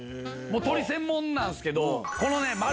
鶏専門なんすけど。